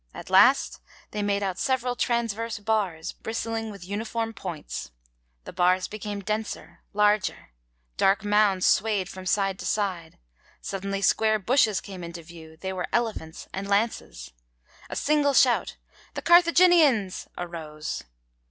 'At last they made out several transverse bars, bristling with uniform points. The bars became denser, larger; dark mounds swayed from side to side; suddenly square bushes came into view; they were elephants and lances. A single shout, "The Carthaginians!" arose.'